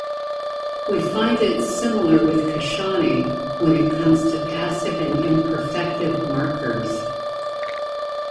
We find it similar with Kashani, when it comes to passive and imperfective markers.